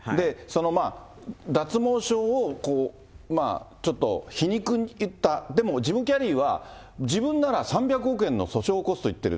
脱毛症をちょっと皮肉った、でもジム・キャリーは、自分なら３００億円の訴訟を起こすと言ってる。